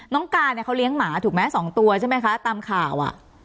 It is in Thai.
การเนี่ยเขาเลี้ยงหมาถูกไหม๒ตัวใช่ไหมคะตามข่าวอ่ะ